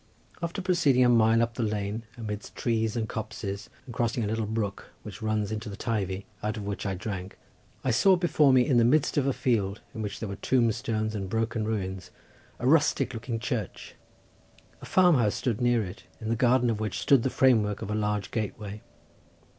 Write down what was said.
After proceeding a mile up the lane, amidst trees and copses, and crossing a little brook, which runs into the Teivi, out of which I drank, I saw before me in the midst of a field, in which were tombstones and broken ruins, a rustic looking church; a farm house stood near it, in the garden of which stood the framework of a large gateway.